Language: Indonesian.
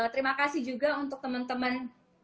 terima kasih juga untuk teman teman